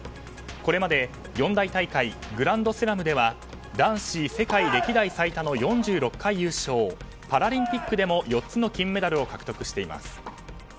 これまで四大大会グランドスラムでは男子世界歴代最多の４６回優勝パラリンピックでも４つの金メダルを獲得しています。